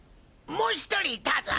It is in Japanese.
もう１人いたぞ！